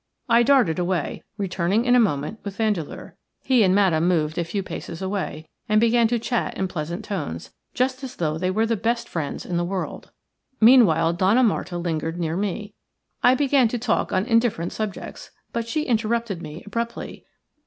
I darted away, returning in a moment with Vandeleur. He and Madame moved a few paces away and began to chat in pleasant tones, just as though they were the best friends in the world. Meanwhile Donna Marta lingered near me. I began to talk on indifferent subjects, but she interrupted me abruptly.